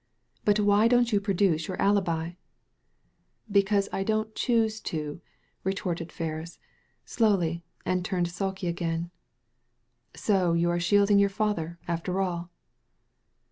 "But why don't you produce your alibi ?*" Because I don't choose to," retorted Ferris, slowly, and turned sulky again. " So you are shielding your father, after all